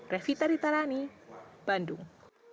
revita ditarani bandung